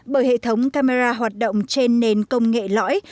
bởi hệ thống camera hoạt động trên nền công nghệ lõi